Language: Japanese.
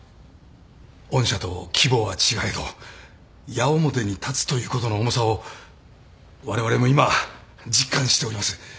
御社と規模は違えど矢面に立つということの重さをわれわれも今実感しております。